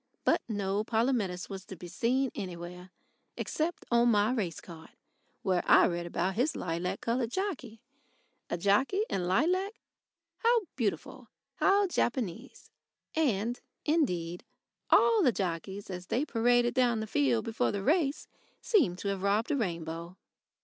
But no Polumetis was to be seen anywhere except on my race card, where I read about his lilac coloured jockey. A jockey in lilac how beautiful, how Japanese! And, indeed, all the jockeys as they paraded down the field before the race seemed to have robbed a rainbow.